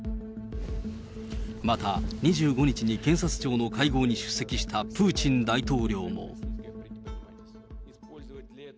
また、２５日に検察庁の会合に出席したプーチン大統領も。